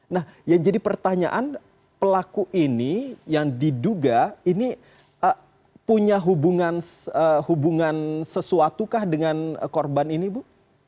nah yang jadi pertanyaan pelaku ini yang diduga ini punya hubungan sesuatu kah dengan korban ini bu